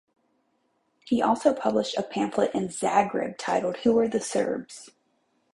He also published a pamphlet in Zagreb titled Who are the Serbs?